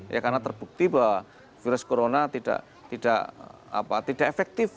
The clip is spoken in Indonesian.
ya karena terbukti bahwa virus corona tidak efektif